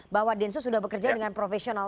bahwa densus sudah bekerja dengan profesional